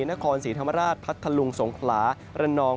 นครศรีธรรมราชพัทธลุงสงขลาระนอง